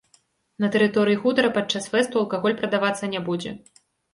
На тэрыторыі хутара падчас фэсту алкаголь прадавацца не будзе.